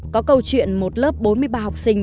có câu chuyện một lớp bốn mươi ba học sinh